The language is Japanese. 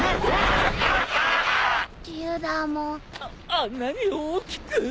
ああんなに大きく。